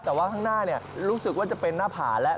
แต่ว่าข้างหน้ารู้สึกว่าจะเป็นหน้าผาแล้ว